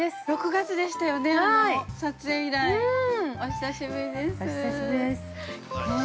◆６月でしたよね、もう。